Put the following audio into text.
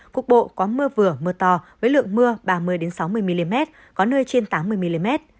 cục bộ có mưa vừa mưa to với lượng mưa ba mươi sáu mươi mm có nơi trên tám mươi mm